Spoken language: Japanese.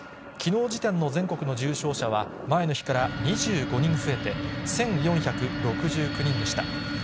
きのう時点の全国の重症者は、前の日から２５人増えて、１４６９人でした。